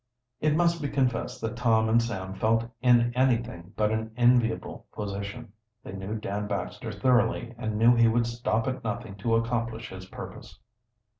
It must be confessed that Tom and Sam felt in anything but an enviable position. They knew Dan Baxter thoroughly, and knew he would stop at nothing to accomplish his purpose.